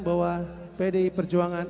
bahwa pdi perjuangan